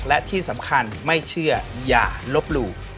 และที่สำคัญไม่เชื่ออย่าลบหลู่